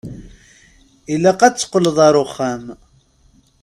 Ilaq ad teqqleḍ ar uxxam.